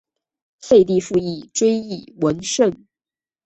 废帝溥仪追谥文慎。